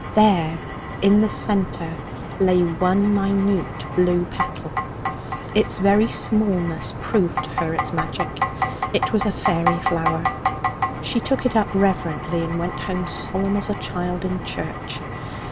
There in the centre lay one minute blue petal. Its very smallness proved to her its magic. It was a faery flower. She took it up reverently and went home solemn as a child in church.